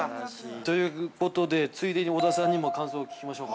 ◆ということで、ついでに小田さんにも感想を聞きましょうか？